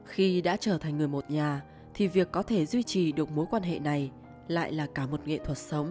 khi đã trở thành người một nhà thì việc có thể duy trì được mối quan hệ này lại là cả một nghiệp